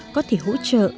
có thể hỗ trợ